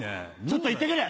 ちょっと行って来る！